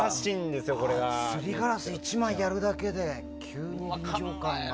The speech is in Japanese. すりガラス１枚でやるだけで急に臨場感が。